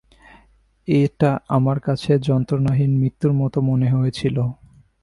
এটা আমার কাছে যন্ত্রনাহীন মৃত্যুর মতো মনে হয়েছিল।